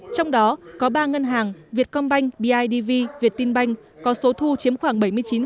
trong đó có ba ngân hàng việtcombank bidv việttinbank có số thu chiếm khoảng bảy mươi chín một